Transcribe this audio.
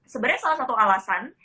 sebenarnya salah satu alasan